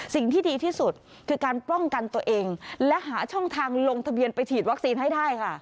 สิ่งที่ดีที่สุดคือการป้องกันตัวเองและหาช่องทางลงทะเบียนไปฉีดวัคซีนให้ได้ค่ะ